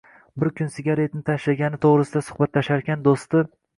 Bir kun sigaretni tashlagani to'g'risida suhbatlasharkan, do'sti: